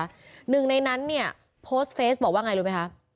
หนึ่งในนั้นเนี่ยโพสต์เฟสบอกว่าไงรู้ไหมคะ